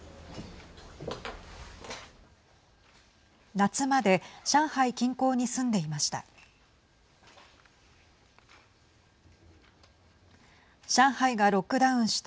夏まで上海近郊に住んでいました。